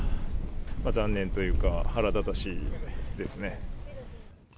残念というか、腹立たしいですね。